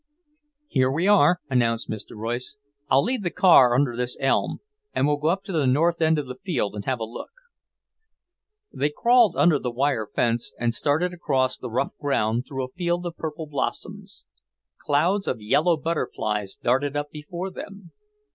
"Here we are," announced Mr. Royce. "I'll leave the car under this elm, and we'll go up to the north end of the field and have a look." They crawled under the wire fence and started across the rough ground through a field of purple blossoms. Clouds of yellow butterflies darted up before them.